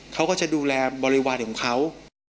เขาก็จะดูแลบริวารของเขา